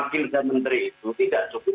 kinerja menteri itu tidak cukup